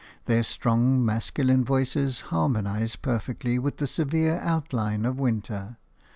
Their strong, masculine voices harmonise perfectly with the severe outline of winter.